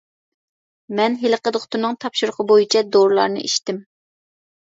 مەن ھېلىقى دوختۇرنىڭ تاپشۇرۇقى بويىچە دورىلارنى ئىچتىم.